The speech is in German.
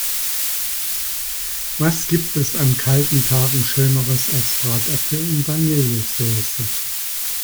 Was gibt es an kalten Tagen schöneres als Bratäpfel in Vanillesoße!